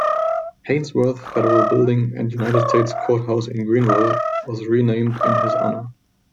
Haynsworth Federal Building and United States Courthouse in Greenville was renamed in his honor.